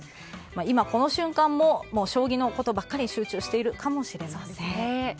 今この瞬間も将棋のことばかり集中しているかもしれません。